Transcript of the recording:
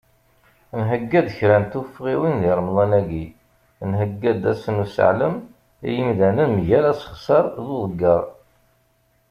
Nhegga-d kra n tufɣiwin, di Remḍa-agi, nhegga-d ass n useɛlem i yimdanen mgal asexser d uḍegger.